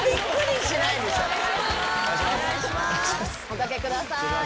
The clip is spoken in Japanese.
お掛けください。